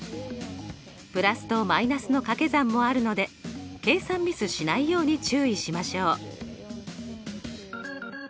＋と−の掛け算もあるので計算ミスしないように注意しましょう。